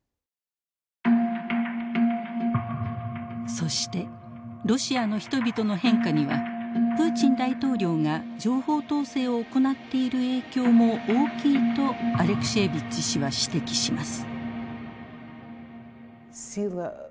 そしてロシアの人々の変化にはプーチン大統領が情報統制を行っている影響も大きいとアレクシエービッチ氏は指摘します。